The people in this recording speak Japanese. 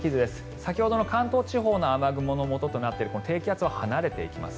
先ほどの関東地方の雨雲のもととなっている低気圧が離れていきます。